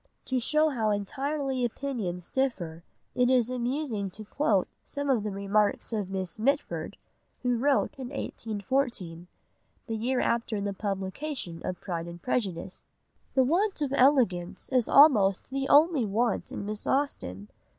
To show how entirely opinions differ it is amusing to quote some of the remarks of Miss Mitford, who wrote in 1814, the year after the publication of Pride and Prejudice: "The want of elegance is almost the only want in Miss Austen.